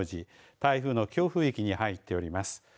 台風の強風域に入っております。